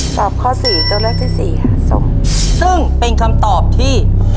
ข้อสี่ตัวเลือกที่สี่ค่ะสมซึ่งเป็นคำตอบที่